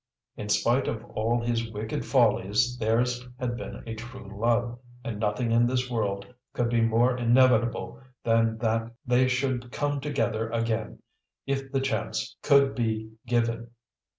In spite of all his wicked follies theirs had been a true love, and nothing in this world could be more inevitable than that they should come together again if the chance could be given.